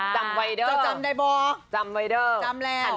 แต่อย่าบอกเพื่อน